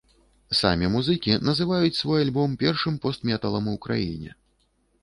Самі музыкі называюць свой альбом першым пост-металам у краіне.